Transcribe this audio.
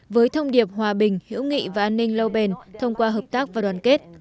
với thông điệp hòa bình hiểu nghị và an ninh lâu bền thông qua hợp tác và đoàn kết